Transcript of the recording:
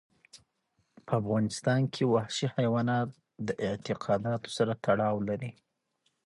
په افغانستان کې وحشي حیوانات د اعتقاداتو سره تړاو لري.